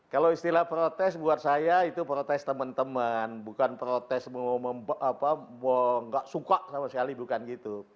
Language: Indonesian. kalau istilah protes buat saya itu protes teman teman bukan protes nggak suka sama sekali bukan gitu